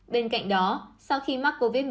bên cạnh đó sau khi mắc covid một mươi chín